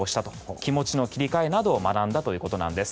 気持ちの切り替えなどを学んだということです。